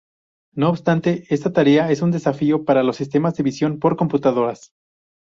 No obstante esta tarea es un desafío para los sistemas de visión por computadoras.